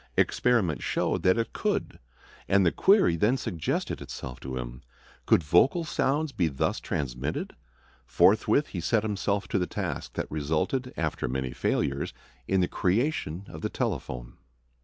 Experiment showed that it could, and the query then suggested itself to him, Could vocal sounds be thus transmitted? Forthwith he set himself to the task that resulted, after many failures, in the creation of the telephone.